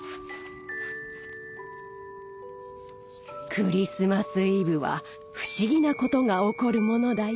クリスマス・イブは不思議なことが起こるものだよ。